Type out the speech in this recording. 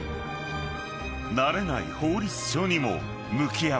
［慣れない法律書にも向き合った］